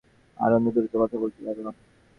আরো দ্রুত কথা বলতে লাগলাম।